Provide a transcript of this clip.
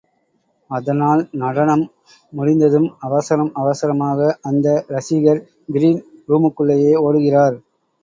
அதனால் நடனம் முடிந்ததும் அவசரம் அவசரமாக அந்த ரசிகர் கிரீன் ரூமுக்குள்ளேயே ஓடுகிறார்.